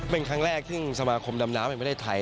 เป็นครั้งแรกซึ่งสมาคมดำน้ำแห่งประเทศไทย